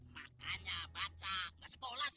makanya baca nggak sekolah sih